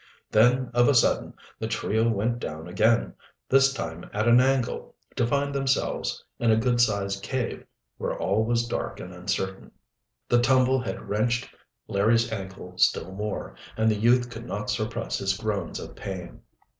Then of a sudden the trio went down again, this time at an angle, to find themselves in a good sized cave, where all was dark and uncertain. The tumble had wrenched Larry's ankle still more, and the youth could not suppress his groans of pain.